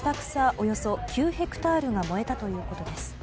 およそ９ヘクタールが燃えたということです。